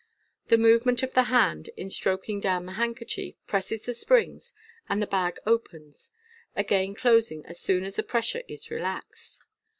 The movement of the hand in stroking down the handkerchief presses the springs, and the bag opens, again closing as soon as the pressure is relaxed.